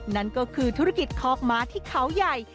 นั่นก็คือธุรกิจคอกม้าที่เขาใหญ่